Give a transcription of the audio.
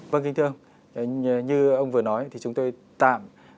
vâng kính thưa ông như ông vừa nói thì chúng tôi tạm